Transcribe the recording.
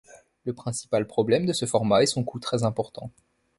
Le principal problème de ce format est son coût très important.